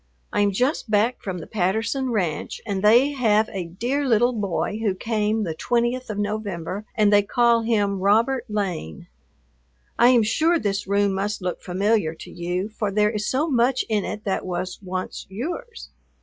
I am just back from the Patterson ranch, and they have a dear little boy who came the 20th of November and they call him Robert Lane. I am sure this room must look familiar to you, for there is so much in it that was once yours.